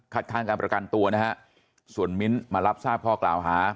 ค้างการประกันตัวนะฮะส่วนมิ้นท์มารับทราบข้อกล่าวหา